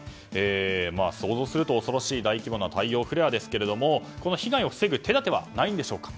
想像すると恐ろしい、大規模な太陽フレアですけれども被害を防ぐ手立てはないんでしょうか。